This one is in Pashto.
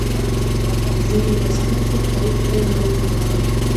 ځینې لوستونکي ښايي پرې نیوکه ولري.